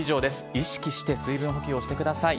意識して水分補給をしてください。